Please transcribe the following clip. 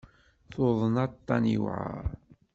Tuḍen aṭṭan yewεer.